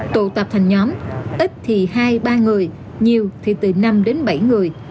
tụ tập thành nhóm ít thì hai ba người nhiều thì từ năm đến bảy người